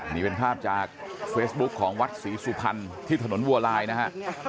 นี่เป็นภาพจากเฟซบุ๊คของวัดศรีสุพรรณที่ถนนวัวลายนะฮะ